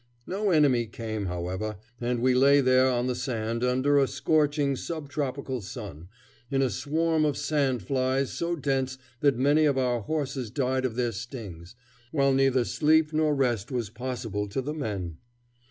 No enemy came, however, and we lay there on the sand, under a scorching sub tropical sun, in a swarm of sand flies so dense that many of our horses died of their stings, while neither sleep nor rest was possible to the men.